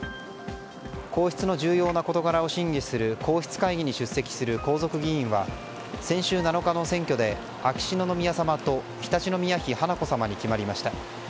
皇室の重要な事柄を審議する皇室会議に出席する皇族議員は、先週７日の選挙で秋篠宮さまと常陸宮妃華子さまに決まりました。